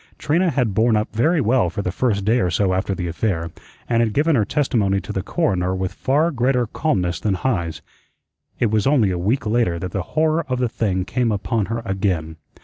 Trina had borne up very well for the first day or so after the affair, and had given her testimony to the coroner with far greater calmness than Heise. It was only a week later that the horror of the thing came upon her again.